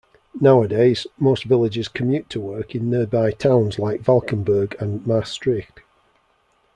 Nowadays, most villagers commute to work in nearby towns like Valkenburg and Maastricht.